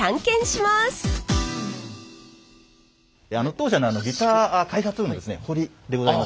当社のギター開発部の堀でございます。